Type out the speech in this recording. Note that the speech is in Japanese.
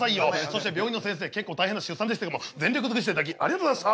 そして病院のせんせい結構大変な出産でしたけども全力尽くしていただきありがとうございました。